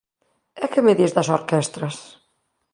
_¿E que me dis das orquestras?